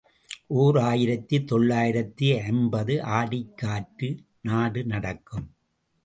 ஓர் ஆயிரத்து தொள்ளாயிரத்து ஐம்பது ஆடிக் காற்று நாடு நடுக்கும்.